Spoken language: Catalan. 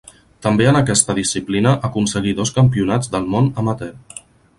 També en aquesta disciplina aconseguí dos Campionats del món amateur.